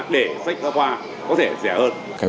để sách giáo khoa có thể rẻ hơn